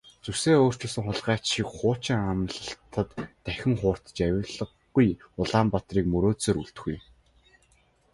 Зүсээ өөрчилсөн хулгайч шиг хуучин амлалтад дахин хууртаж авлигагүй Улаанбаатарыг мөрөөдсөөр үлдэх үү?